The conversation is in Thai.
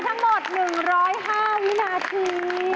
ทั้งหมด๑๐๕วินาที